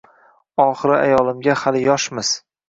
Oxiri ayolimga “Hali yoshmiz.